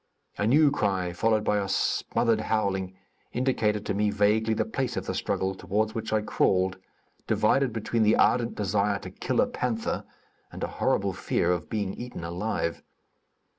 A new cry, followed by a smothered howling, indicated to me vaguely the place of the struggle, toward which I crawled, divided between the ardent desire to "kill a panther" and a horrible fear of being eaten alive.